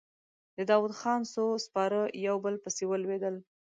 د داوودخان څو سپاره يو په بل پسې ولوېدل.